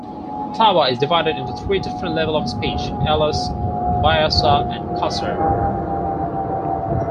Taba is divided into three different levels of speech: "alus", "biasa" and "kasar".